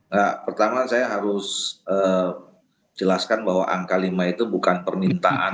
nah pertama saya harus jelaskan bahwa angka lima itu bukan permintaan